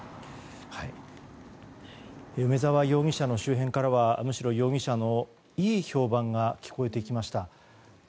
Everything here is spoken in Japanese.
梅沢容疑者の周辺からはむしろ、容疑者のいい評判が聞こえてきました。